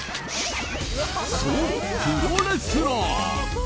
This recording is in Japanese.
そう、プロレスラー。